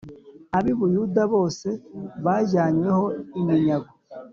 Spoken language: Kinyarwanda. Ab i Buyuda bose bajyanywe ho iminyago